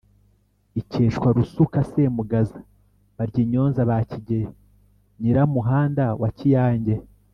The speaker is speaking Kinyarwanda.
ikeshwa Rusuka, Semugaza, Baryinyonza ba Kigeli Nyiramuhanda na Kiyange.